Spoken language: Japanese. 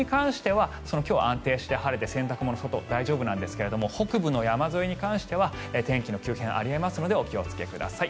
東京に関しては今日は安定して晴れて洗濯物も大丈夫なんですが北部の山沿いでは天気の急変もあるのでお気をつけください。